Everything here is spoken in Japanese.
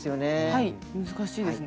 はい難しいですね。